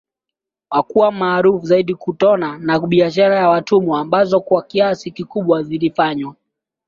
na kuwa maarufu zaidi kutona na bishara za watumwa ambazo kwa kiasi kikubwa zilifanywa